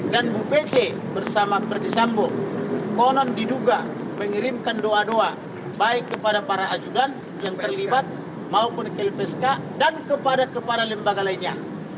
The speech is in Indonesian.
dan ibu pece bersama pak dato' sampo konon diduga mengirimkan doa doa baik kepada para ajukan yang terlibat maupun kel peska dan kepada kepada lembaga lainnya